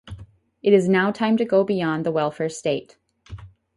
It is now time to go beyond the welfare state.